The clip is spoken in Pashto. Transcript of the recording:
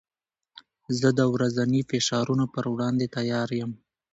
زه د ورځني فشارونو پر وړاندې تیار یم.